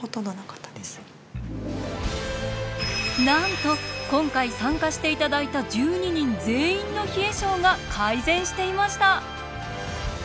なんと今回参加して頂いた１２人全員の冷え症が改善していました。